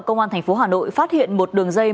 công an tp hà nội phát hiện một đường dây